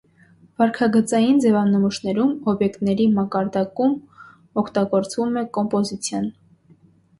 Վարքագծային ձևանմուշներում օբյեկտների մակարդակում օգտագործվում է կոմպոզիցիան։